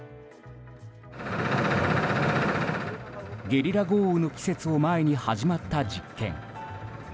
ゲリラ豪雨の季節を前に始まった実験。